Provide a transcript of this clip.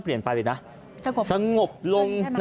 เปลี่ยนไปเลยนะสงบลง